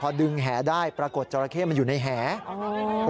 พอดึงแหได้ปรากฏจราเข้มันอยู่ในแหอ๋อ